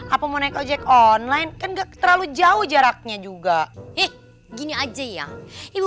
apa mau naik ojek online kan enggak terlalu jauh jaraknya juga ih gini aja ya ibu